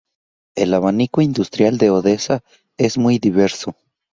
El abanico industrial de Odesa es muy diverso.